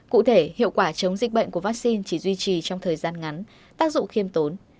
cụ thể hiệu quả chống dịch bệnh của vaccine chỉ duy trì trong thời gian ngắn tác dụng khiêm tốn